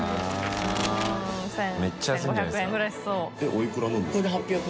おいくらなんですか？